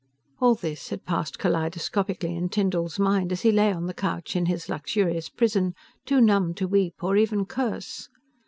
All this had passed kaleidoscopically in Tyndall's mind as he lay on the couch in his luxurious prison, too numb to weep or even curse.